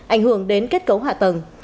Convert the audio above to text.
ảnh hưởng đến kết cấu hạ tầng